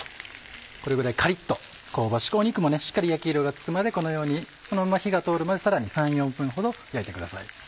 これぐらいカリっと香ばしく肉もしっかり焼き色がつくまでこのようにそのまま火が通るまでさらに３４分ほど焼いてください。